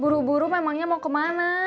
buru buru memangnya mau kemana